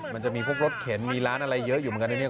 มันจะมีพวกรถเข็นมีร้านอะไรเยอะอยู่เหมือนกันนะเนี่ย